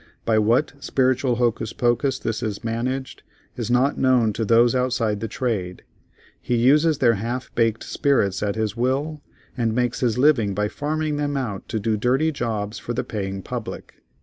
By what spiritual hocus pocus this is managed is not known to those outside the trade. He uses their half baked spirits at his will, and makes his living by farming them out to do dirty jobs for the paying public.